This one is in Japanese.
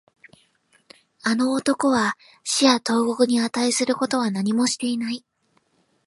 あの男は死や投獄に値することは何もしていない